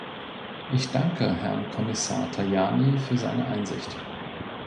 Ich danke Herrn Kommissar Tajani für seine Einsicht.